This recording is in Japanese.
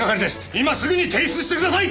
今すぐに提出してください！